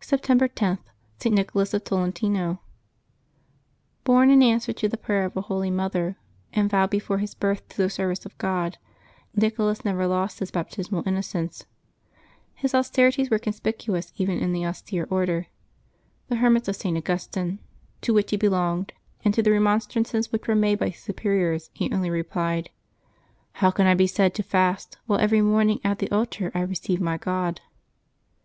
September lo.— ST. NICHOLAS OF TOLEN TINO. ^P^ORN" in answer to the prayer of a holy mother, and ^bJ vowed before his birth to the service of God, Nicho las never lost his baptismal innocence. His austerities were conspicuous even in the austere Order — the Hermits of September 11] LIVES OF THE SAINTS 311 St. Augustine —■ to which he belonged, and to the remon strances which were made by his superiors he only replied, " How can I be said to fast, while every morning at the altar I receive my God